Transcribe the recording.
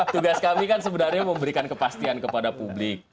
tugas kami kan sebenarnya memberikan kepastian kepada publik